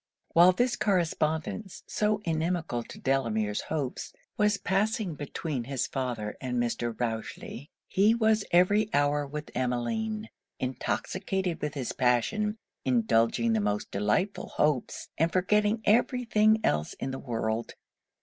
While this correspondence, so inimical to Delamere's hopes, was passing between his father and Mr. Rochely, he was every hour with Emmeline; intoxicated with his passion, indulging the most delightful hopes, and forgetting every thing else in the world.